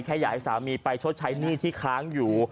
อยากให้สามีไปชดใช้หนี้ที่ค้างอยู่